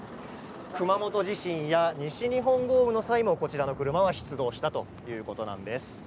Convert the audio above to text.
熊本地震や西日本豪雨の際もこちらの車は出動したということなんです。